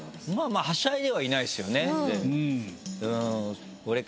まぁはしゃいではいないですよね。